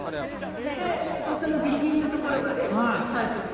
でそのギリギリのところまで生えてる。